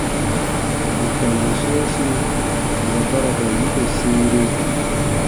Bù tɔmbu sɔ̃ɔsi mɛ̀ ba ra ka yiko sĩire.